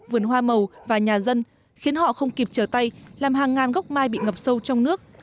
vườn hoa màu và nhà dân khiến họ không kịp trở tay làm hàng ngàn gốc mai bị ngập sâu trong nước